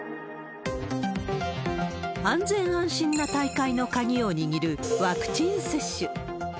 安全安心な大会の鍵を握るワクチン接種。